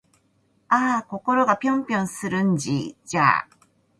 あぁ〜心がぴょんぴょんするんじゃぁ〜